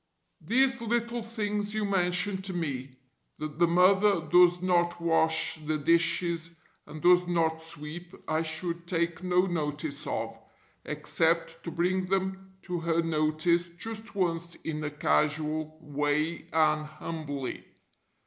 These little things you mention to me, that the Mother does not wash the dishes, and does not sweep, I should take no notice of, except to bring them to her notice just once in a casual way and humbly.